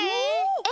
え？